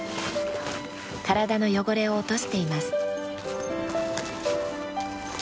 体の汚れを落としています。